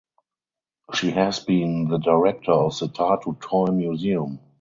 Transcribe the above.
She has been the director of the Tartu Toy Museum.